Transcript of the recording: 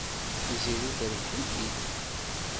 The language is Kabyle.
Tiziri terbeḥ-it-id.